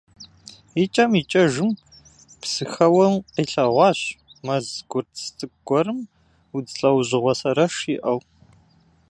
ИкӀэм икӀэжым, Псыхэуэм къилъэгъуащ мэз гъурц цӀыкӀу гуэрым удз лӀэужьыгъуэу сэрэш иӀэу.